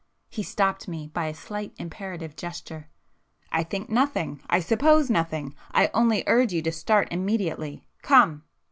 He stopped me by a slight imperative gesture. "I think nothing—I suppose nothing. I only urge you to start immediately. Come!"